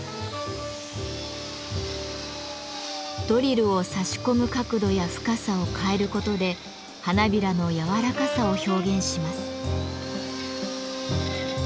ドリルを差し込む角度や深さを変えることで花びらの柔らかさを表現します。